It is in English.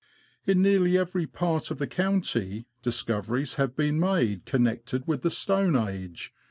In nearly every part of the county, discoveries have been made connected with the Stone Age.